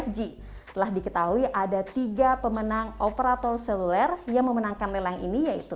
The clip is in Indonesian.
lima g telah diketahui ada tiga pemenang operator seluler yang memenangkan lelang ini yaitu